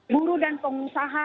buru dan pengusaha